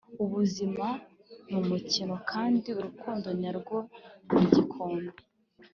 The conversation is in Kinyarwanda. ubuzima ni umukino kandi urukundo nyarwo nigikombe.